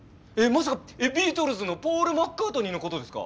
まさかビートルズのポール・マッカートニーのことですか？